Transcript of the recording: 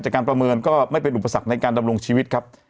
การประเมินก็ไม่เป็นอุปสรรคในการดำรงชีวิตครับ